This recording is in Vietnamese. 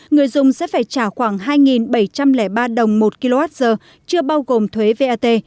người dùng sẽ phải trả khoảng hai bảy trăm linh ba đồng một kwh chưa bao gồm thuế vat